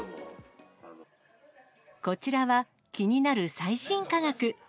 こちらは気になる最新科学。